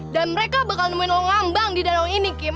dan mereka bakal nemuin lo ngambang di danau ini kim